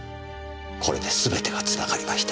これですべてがつながりました。